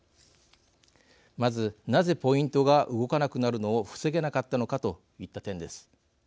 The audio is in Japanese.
まず、なぜポイントが動かなくなるのを防げなかったのかといった点です。